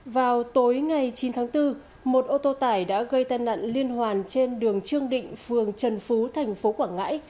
vào tối ngày chín tháng bốn một ô tô tải đã gây tai nạn liên hoàn trên đường trương định phường trần phú thành phố quảng ngãi